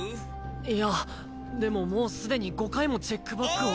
いやでももうすでに５回もチェックバックを。